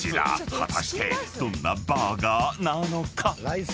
果たしてどんなバーガーなのか？］